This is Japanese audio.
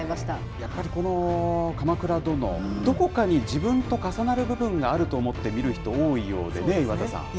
やっぱりこの鎌倉殿、どこかに自分と重なる部分があると思って見る人、多いようでね、岩田さん。